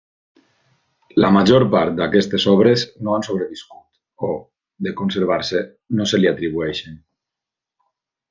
La major part d'aquestes obres no han sobreviscut o, de conservar-se, no se li atribueixen.